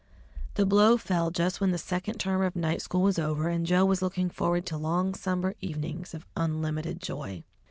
The blow fell just when the second term of night school was over, and Joe was looking forward to long summer evenings of unlimited joy.